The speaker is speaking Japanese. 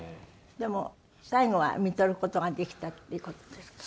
でも最期はみとる事ができたっていう事ですか？